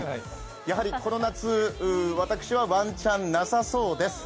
やはりこの夏、私はワンチャンなさそうです。